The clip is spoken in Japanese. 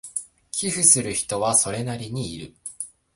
寄付する人はそれなりにいる